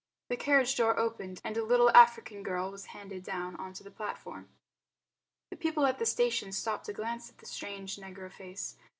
The carriage door opened and a little African girl was handed down onto the platform. The people on the station stopped to glance at the strange negro face.